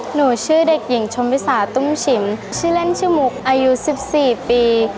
หนูชื่อเด็กหญิงชมวิสาตุ้มฉิมชื่อเล่นชื่อมุกอายุ๑๔ปี